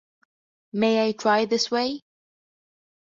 May I try this way?